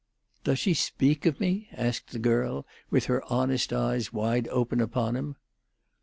"Does she speak of me?" asked the girl, with her honest eyes wide open upon him.